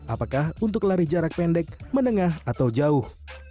apakah untuk lari jarak pendek menengah atau jauh